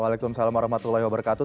waalaikumsalam warahmatullahi wabarakatuh